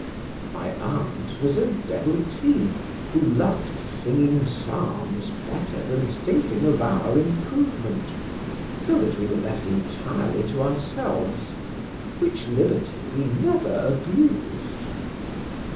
My aunt was a devotee, who loved singing psalms better than thinking of our improvement, so that we were left entirely to ourselves, which liberty we never abused.